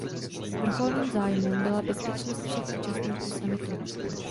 Vrcholným zájmem byla bezpečnost všech účastníků summitu.